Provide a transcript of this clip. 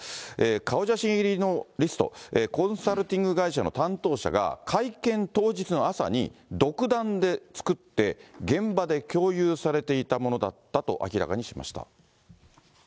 顔写真入りのリスト、コンサルティング会社の担当者が、会見当日の朝に、独断で作って、現場で共有されていたものだったと明らかにしました。